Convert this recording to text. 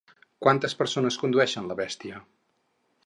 Quantes persones condueixen la bèstia?